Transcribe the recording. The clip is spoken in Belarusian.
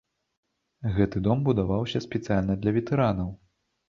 Гэты дом будаваўся спецыяльна для ветэранаў.